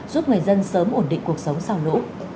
giúp người dân sớm ổn định cuộc sống sau lũ